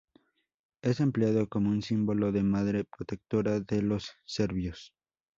Es empleado como un símbolo de madre protectora de los serbios.